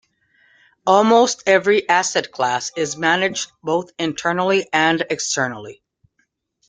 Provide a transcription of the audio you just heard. Almost every asset class is managed both internally and externally.